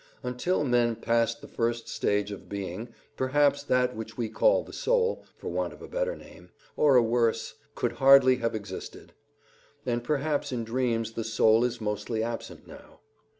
Until men passed the first stage of being, perhaps that which we call the soul, for want of a better name, or a worse, could hardly have existed, and perhaps in dreams the soul is mostly absent now.